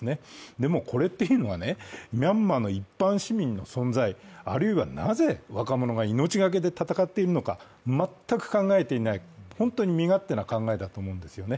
でも、これというのはミャンマーの一般市民の存在、あるいはなぜ若者が命懸けで戦っているのか全く考えていない本当に身勝手な考えだと思うんですね。